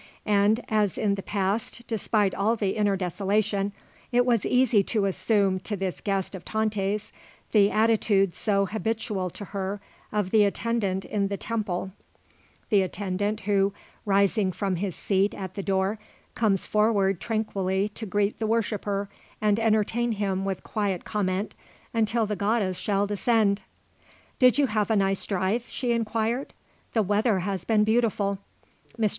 And as in the past, despite all the inner desolation, it was easy to assume to this guest of Tante's the attitude so habitual to her of the attendant in the temple, the attendant who, rising from his seat at the door, comes forward tranquilly to greet the worshipper and entertain him with quiet comment until the goddess shall descend. "Did you have a nice drive?" she inquired. "The weather has been beautiful." Mr.